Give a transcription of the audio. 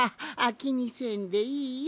きにせんでいいよ。